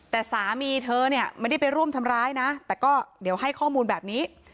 แต่สามีเธอเนี่ยไม่ได้ไปร่วมทำร้ายนะแต่ก็เดี๋ยวให้ข้อมูลแบบนี้